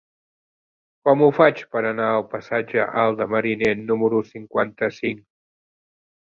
Com ho faig per anar al passatge Alt de Mariner número cinquanta-cinc?